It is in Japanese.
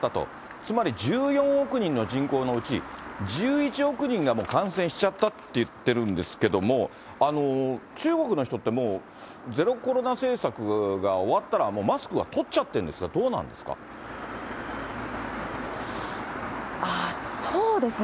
つまり１４億人の人口のうち、１１億人がもう感染しちゃったって言ってるんですけども、中国の人ってもう、ゼロコロナ政策が終わったら、もうマスクは取っちゃってるんですか、あ、そうですね。